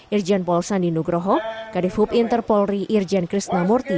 irjen pol sandinugroho kadifu interpolri irjen krishnamurti